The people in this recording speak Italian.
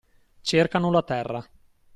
Cercano la terra